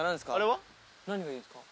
何がいるんすか？